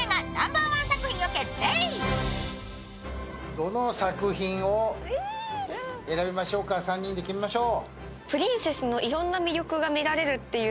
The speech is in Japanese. どの作品を選びましょうか３人で決めましょう。